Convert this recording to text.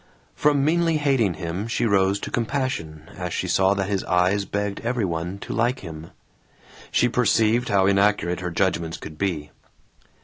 From meanly hating him she rose to compassion as she saw that his eyes begged every one to like him. She perceived how inaccurate her judgments could be.